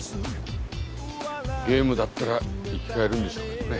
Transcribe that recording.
ゲームだったら生き返るんでしょうけどね。